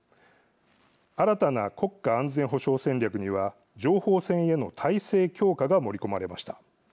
新たな国家安全保障戦略には情報戦への体制強化が盛り込まれました。